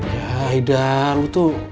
ya aida lu tuh